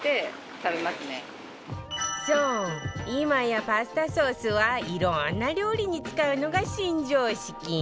そう今やパスタソースはいろんな料理に使うのが新常識